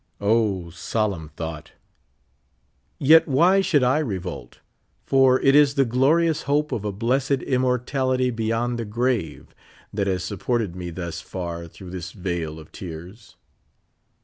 O, solemn thought ! Yet why sliould I revolt, for it is the glorious hope of a blessed immortality beyond the grave that has supported me thus far through this vale of tears.